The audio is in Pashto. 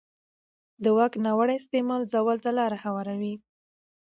د واک ناوړه استعمال زوال ته لاره هواروي